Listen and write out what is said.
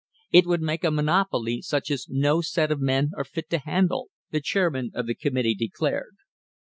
It would make a monopoly such as no set of men are fit to handle," the chairman of the committee declared.